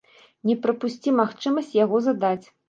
Не прапусці магчымасць яго задаць!